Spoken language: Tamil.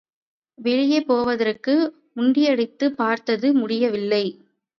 வெளியே போவதற்கு முண்டியடித்துப் பார்த்தது முடியவில்லை.